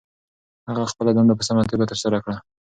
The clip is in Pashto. هغه خپله دنده په سمه توګه ترسره کړه.